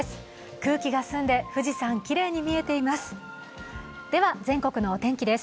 空気が澄んで、富士山がきれいに見えています。